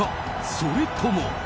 それとも。